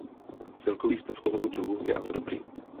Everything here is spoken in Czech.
Celkový stav tohoto druhu je ale dobrý.